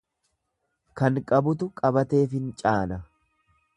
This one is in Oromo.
Kan qabutu qabatee fincaana.